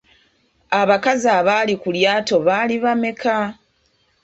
Abakazi abaali ku lyato baali bameka?